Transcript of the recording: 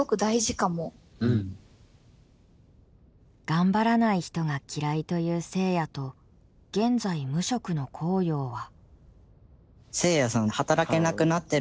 頑張らない人が嫌いというせいやと現在無職のこうようは。